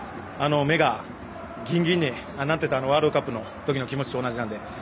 目がギンギンになってたワールドカップのあの時の気持ちと同じなので。